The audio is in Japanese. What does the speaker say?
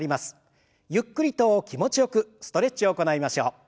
ゆっくりと気持ちよくストレッチを行いましょう。